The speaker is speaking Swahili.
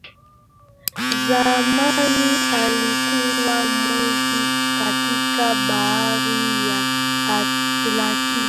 zamani alikuwa mvuvi katika bahari ya atlantik